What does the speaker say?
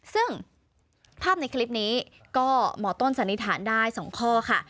ซึ่งภาพในคลิปนี้ก็หมอต้นสันนิษฐานได้๒ข้อค่ะ